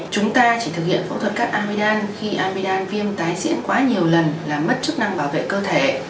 chúng ta chỉ thực hiện phẫu thuật cắt amidam khi amidam viêm tái diễn quá nhiều lần là mất chức năng bảo vệ cơ thể